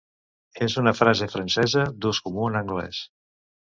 És una frase francesa d'ús comú en anglès.